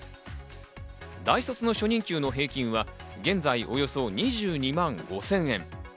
大卒の初任給の平均は現在およそ２２万５０００円。